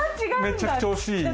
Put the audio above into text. めちゃくちゃ惜しい。